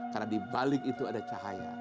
karena dibalik itu ada cahaya